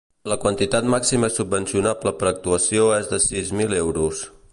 La quantitat màxima subvencionable per actuació és de sis mil euros.